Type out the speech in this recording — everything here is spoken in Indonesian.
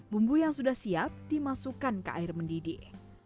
bumbu yang sudah siap dimasukkan ke air mendidih